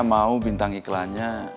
mau bintang iklannya